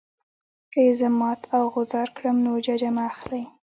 که یې زه مات او غوځار کړم نو ججه مه اخلئ.